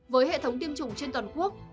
với hệ thống tiêm chủng trên toàn quốc